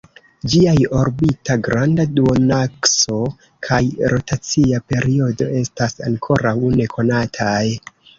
Ĝiaj orbita granda duonakso kaj rotacia periodo estas ankoraŭ nekonataj.